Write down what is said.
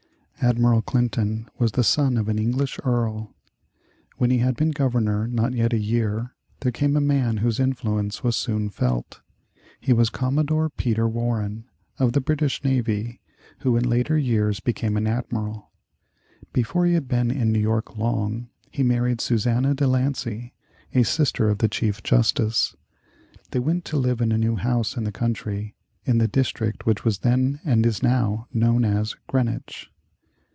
Admiral Clinton was the son of an English earl. When he had been Governor not yet a year, there came a man whose influence was soon felt. He was Commodore Peter Warren, of the British Navy, who in later years became an admiral. Before he had been in New York long, he married Susannah De Lancey, a sister of the Chief Justice. They went to live in a new house in the country, in the district which was then and is now known as Greenwich.